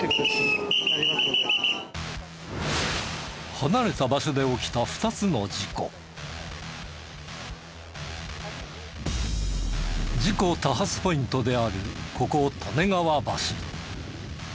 離れた場所で起きた事故多発ポイントであるここ利根川橋。